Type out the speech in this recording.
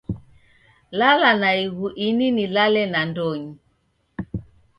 Lala naighu ini nilale nandonyi